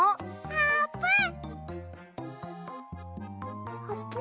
あーぷん！